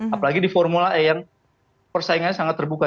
apalagi di formula e yang persaingannya sangat terbuka